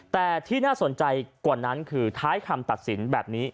แต่ที่น่าสนใจกว่านั้นคือท้ายคำตัดสินแบบนี้